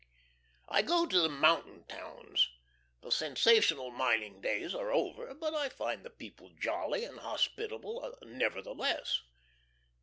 .... I go to the mountain towns. The sensational mining days are over, but I find the people jolly and hospitable nevertheless.